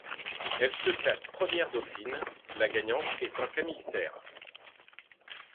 Elle se classe première dauphine, la gagnante étant Camille Cerf.